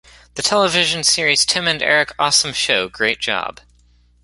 The television series Tim and Eric Awesome Show, Great Job!